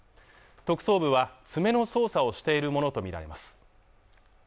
特捜部は詰めの捜査をしているものと見られます